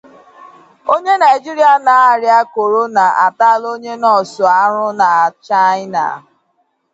Onye Nigeria Na-Arịa Korona Atàála Onye Nọọsụ Arụ Na China